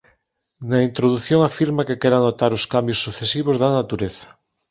Na introdución afirma que quere anotar os cambios sucesivos da Natureza.